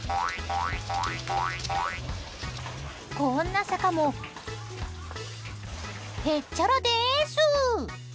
こんな坂もへっちゃらです！